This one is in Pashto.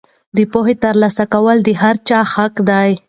د پوهې ترلاسه کول د هر چا حق دی.